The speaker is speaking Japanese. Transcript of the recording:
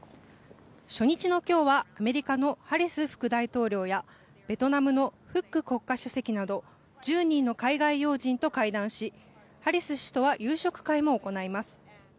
初日の今日はアメリカのハリス副大統領やベトナムのフック国家主席など１０人の海外要人と会談しハリス氏とは夕食会も行います。